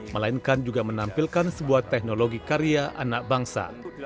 melainkan juga menampilkan sebuah teknologi karya anak bangsa